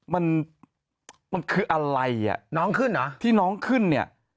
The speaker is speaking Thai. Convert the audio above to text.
มันมันคืออะไรอ่ะน้องขึ้นเหรอที่น้องขึ้นเนี่ย